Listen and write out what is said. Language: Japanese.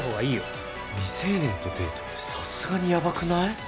未成年とデートってさすがにやばくない？